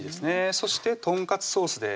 そしてとんかつソースです